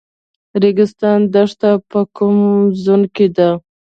ریګستان دښته په کوم زون کې ده؟